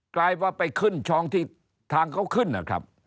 ลายว่าไปขึ้นช้องที่ทางเขาขึ้นนะครับ